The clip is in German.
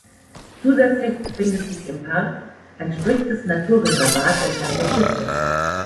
Zusätzlich befindet sich im Park ein striktes Naturreservat entlang der Küste.